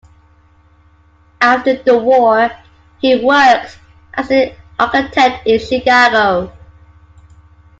After the war, he worked as an architect in Chicago.